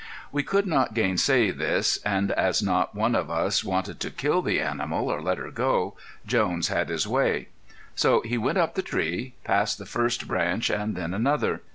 We could not gainsay this, and as not one of us wanted to kill the animal or let her go, Jones had his way. So he went up the tree, passed the first branch and then another.